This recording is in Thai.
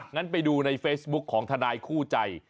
งั้นไปดูในเฟซบุ๊คของทนายคู่ใจ